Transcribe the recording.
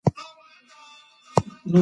ده د واک موده د خدمت فرصت ګاڼه.